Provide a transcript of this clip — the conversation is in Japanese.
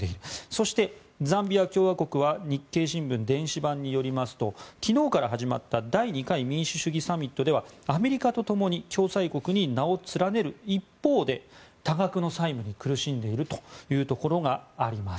そして、ザンビア共和国は日経新聞電子版によると昨日から始まった第２回民主主義サミットではアメリカと共に共催国に名を連ねる一方で多額の債務に苦しんでいるところがあります。